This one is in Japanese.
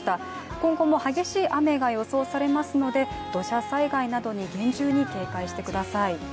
今後も激しい雨が予想されますので、土砂災害などに厳重に警戒してください。